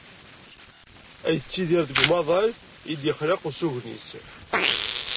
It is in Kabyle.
Ad yettidir deg umaḍal i d-yexleq usugen-is.